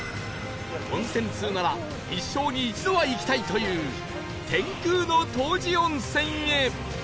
温泉通なら一生に一度は行きたいという天空の湯治温泉へ